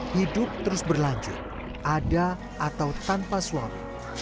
hidup terus berlanjut ada atau tanpa suami